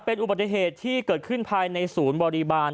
เป็นอุบัติเหตุที่เกิดขึ้นภายในศูนย์บริบาล